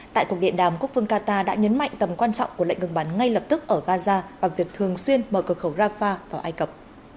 tại cuộc điện đàm quốc phương qatar đã nhấn mạnh tầm quan trọng của lệnh ngừng bắn ngay lập tức ở gaza bằng việc thường xuyên mở cửa khẩu rafah vào ai cập